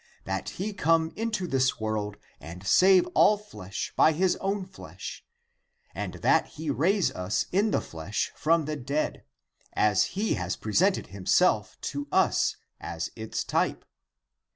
That he come into this world and save all flesh by his own flesh and that he raise us in the flesh from the dead, as he has presented himself to us as its type.